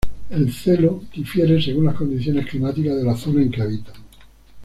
El celo difiere según las condiciones climáticas de la zona en que habitan.